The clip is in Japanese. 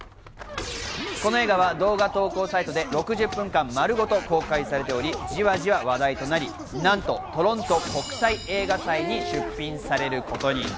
この映画は動画投稿サイトで６０分間丸ごと公開されており、じわじわ話題となり、なんと、トロント国際映画祭に出品されることに。